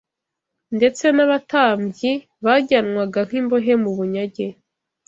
ndetse n’abatambyi bajyanagwa nk’imbohe mu bunyage